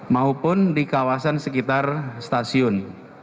maupun di kawasan sekitar stasiun